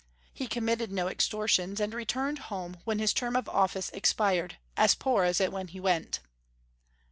He committed no extortions, and returned home, when his term of office expired, as poor as when he went.